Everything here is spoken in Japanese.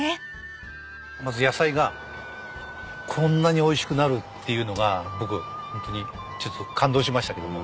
まず野菜がこんなにおいしくなるっていうのが僕ホントにちょっと感動しましたけども。